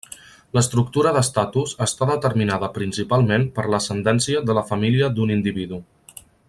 L'estructura d'estatus està determinada principalment per l'ascendència de la família d'un individu.